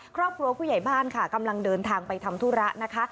ครอบครัวผู้ใหญ่บ้านค่ะกำลังเดินทางไปทำธุระนะคะ